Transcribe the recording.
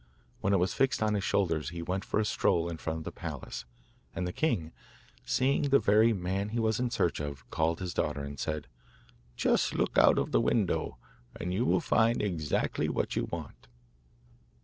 When it was fixed on his shoulders he went for a stroll in front of the palace. And the king, seeing the very man he was in search of, called his daughter, and said: 'Just look out of the window, and you will find exactly what you want.